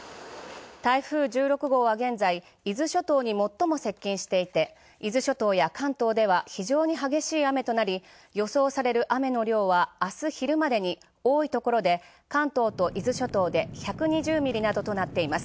台風１６号は現在伊豆諸島に最も接近していて伊豆諸島や関東では非常に激しい雨となり予想される雨の量は明日昼までに関東と伊豆諸島で１２０ミリなどとなっています。